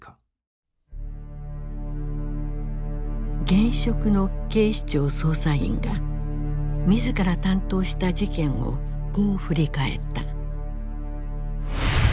現職の警視庁捜査員が自ら担当した事件をこう振り返った。